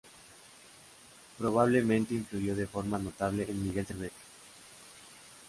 Probablemente influyó de forma notable en Miguel Servet.